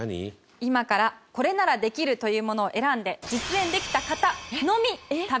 今からこれならできるというものを選んで実演できた方のみ食べられます。